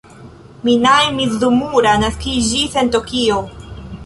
Minae Mizumura naskiĝis en Tokio.